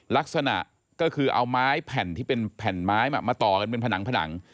ลักษณะก็คือเอาไม้แผ่นที่เป็นแผ่นไม้มาต่อกันเป็นผนังผนัง